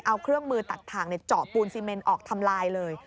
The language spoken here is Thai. เอาเครื่องมือตัดถ่างเจาะปูนซีเมนออกทำลายเลย